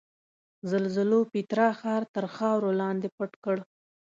زلزلو پیترا ښار تر خاورو لاندې پټ کړ.